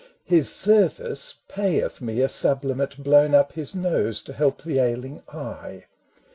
His service payeth me a sublimate Blown up his nose to help the ailing eye.